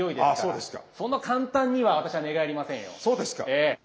そうですか。